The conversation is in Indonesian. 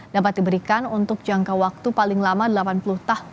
dapat diberikan untuk jangka waktu paling lama delapan puluh tahun